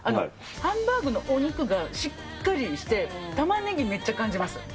ハンバーグのお肉が、しっかりして、タマネギめっちゃ感じます。